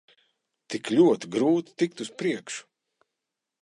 Tik ļoti grūti tikt uz priekšu.